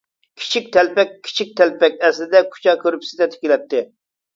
كىچىك تەلپەك كىچىك تەلپەك ئەسلىدە كۇچا كۆرپىسىدە تىكىلەتتى.